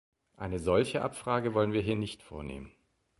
Eine solche Abfrage wollen wir hier nicht vornehmen.